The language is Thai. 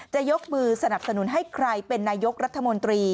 จะยกมือสนับสนุนให้ใครเป็นนายกรัฐมนตรี